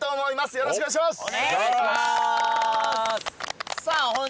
よろしくお願いします。